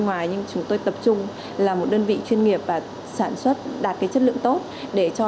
ngoài nhưng chúng tôi tập trung là một đơn vị chuyên nghiệp và sản xuất đạt cái chất lượng tốt để cho